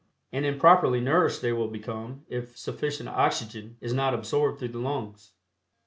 And improperly nourished they will become if sufficient oxygen is not absorbed through the lungs.